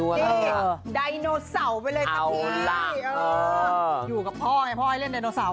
ดายโนเสาร์ไปเลยสักทีนี้เอออยู่กับพ่อไงพ่อเล่นดายโนเสาร์